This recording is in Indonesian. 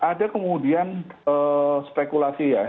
ada kemudian spekulasi ya